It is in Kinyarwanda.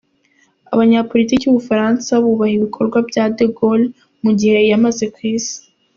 Abanyapolitiki b’u Bufaransa bubaha ibikorwa bya de Gaulle mu gihe yamaze ku Isi.